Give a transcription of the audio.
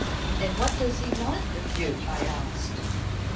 "And what does he want with you?" I asked.